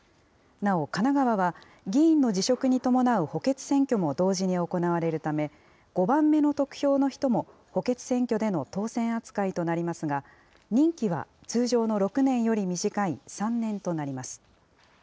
なお神奈川は、議員の辞職に伴う補欠選挙も同時に行われるため、５番目の得票の人も補欠選挙での当選扱いとなりますが、任期は通常の６年より短い３年となります。